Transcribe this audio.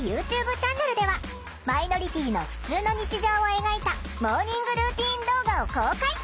チャンネルではマイノリティーのふつうの日常を描いたモーニングルーティン動画を公開！